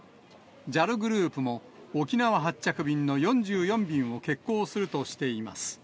ＪＡＬグループも、沖縄発着便の４４便を欠航するとしています。